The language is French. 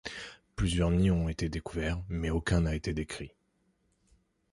Plusieurs nids ont été découverts mais aucun n’a été décrit.